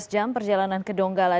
dua belas jam perjalanan ke donggala